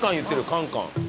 カンカン？